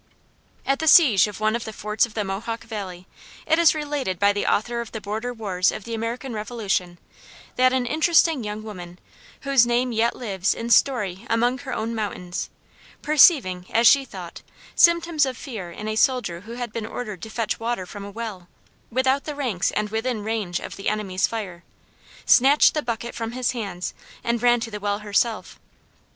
At the siege of one of the forts of the Mohawk Valley, it is related by the author of the "Border Wars of the American Revolution," that an interesting young woman, whose name yet lives in story among her own mountains, perceiving, as she thought, symptoms of fear in a soldier who had been ordered to fetch water from a well, without the ranks and within range of the enemy's fire, snatched the bucket from his hands and ran to the well herself.